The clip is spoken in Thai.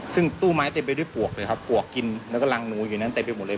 ซึ่งตู้ไม้เต็มไปด้วยปวกเลยครับปวกกินแล้วก็รังนัวอยู่นั้นเต็มไปหมดเลย